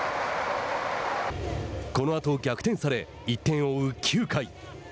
このあと逆転され１点を追う９回。